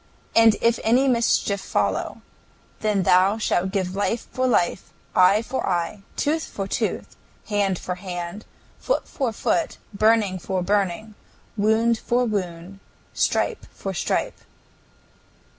And if any mischief follow, then thou shalt give life for life, eye for eye, tooth for tooth, hand for hand, foot for foot, burning for burning, wound for wound, stripe for stripe."